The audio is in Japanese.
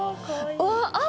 うわあっ！